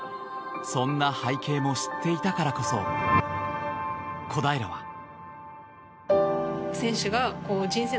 そんな背景も知っていたからこそ小平は。